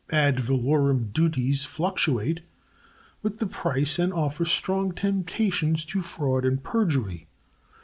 Ad valorem duties fluctuate with the price and offer strong temptations to fraud and perjury.